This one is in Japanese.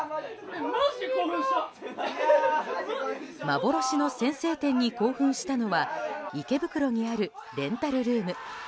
幻の先制点に興奮したのは池袋にあるレンタルルーム。